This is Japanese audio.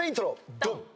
ドン！